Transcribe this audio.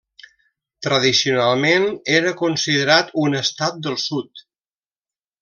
Tradicionalment era considerat un estat del Sud.